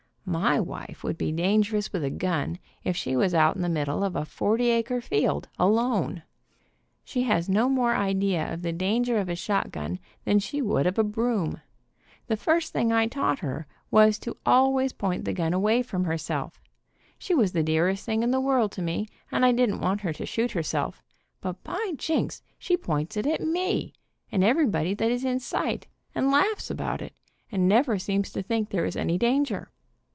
My wife would be dangerous with a gun, if she was out in the middle of a forty acre field, alone. THE WOMAN BEHIND THE GUN She has no more idea of the danger of a shotgun than she would of a broom. The first thing I taught her was to always point the gun away from herself. She was the dearest thing in the world to me, and I didn't want her to shoot herself, but by Jinks, she points it at me, and everybody that is in sight, and laughs about it, and never seems to think there is any dan g e r.